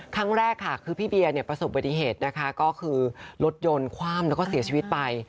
ครั้งแรกค่ะคือพี่เบียร์เนี่ยประสบบัติเหตุนะคะก็คือรถยนต์คว่ำแล้วก็เสียชีวิตไป